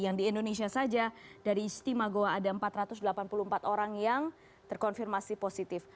yang di indonesia saja dari istimewa goa ada empat ratus delapan puluh empat orang yang terkonfirmasi positif